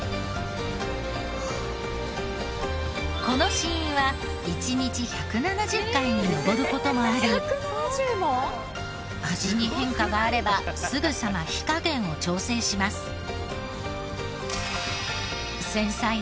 この試飲は１日１７０回に上る事もあり味に変化があればすぐさま火加減を調整します。